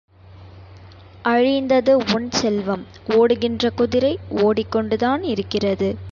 அழிந்தது உன் செல்வம் ஒடுகின்ற குதிரை ஓடிக்கொண்டுதான் இருக்கிறது.